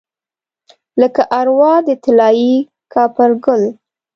لکه اروا د طلايي کاپرګل